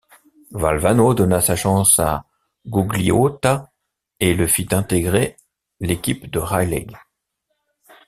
Valvano donna sa chance à Gugliotta et le fit intégrer l'équipe de Raleigh.